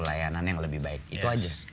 layanan yang lebih baik itu aja